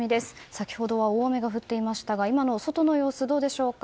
先ほどは大雨が降っていましたが今の外の様子どうでしょうか。